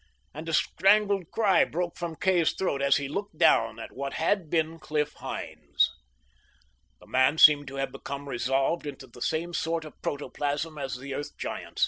And a strangled cry broke from Kay's throat as he looked down at what had been Cliff Hynes. The man seemed to have become resolved into the same sort of protoplasm as the Earth Giants.